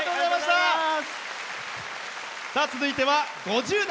続いては、５０代。